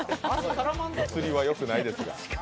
映りはよくないですが。